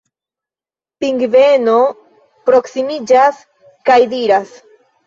Pingveno proksimiĝas kaj diras: